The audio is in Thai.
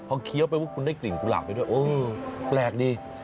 พอเคี้ยวไปปุ๊บคุณได้กลิ่นกุหลาบไปด้วยโอ้แปลกดี